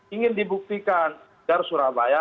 ingin dibuktikan agar surabaya